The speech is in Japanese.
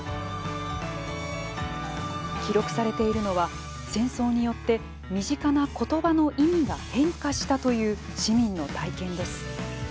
記録されているのは戦争によって身近な言葉の意味が変化したという市民の体験です。